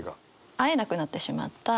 会えなくなってしまったある人